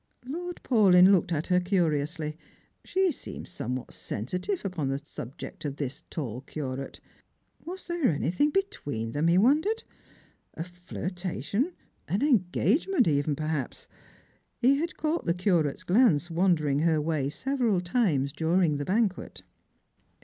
Lord Paulyn looked at her curiously. She seemed somewhat eensitive upon the subject of this tall curate. Was there any thing between them, he wondered ; a flirtation, an engagement even perhaps. He had caught the curate's glance wandering her way several times during the banquet.